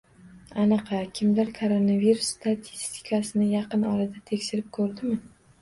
Anaqa, kimdir Koronavirus statistikasini yaqin orada tekshirib ko'rdimi?